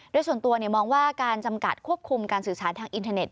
โดยส่วนตัวมองว่าการจำกัดควบคุมการสื่อสารทางอินเทอร์เน็